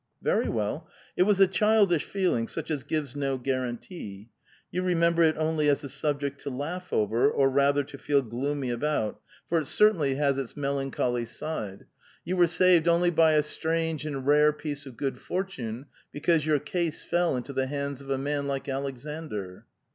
'* Ven* well. It was a childish feeling, such as gives no guarantee. You remember it only as a subject to laugh over, oVj rather, to feel gloomy about ; for it eeitainly has its mcl A VITAL QUESTION. 439 aucholy side. You were saved only by a strange and rare piece of good fortune, because your case fell into the hands of a man like Aleksandr."